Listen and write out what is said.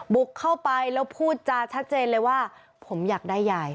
บุกเข้าไปแล้วพูดจาชัดเจนเลยว่าผมอยากได้ยาย